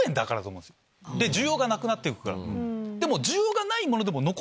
需要がなくなってくから。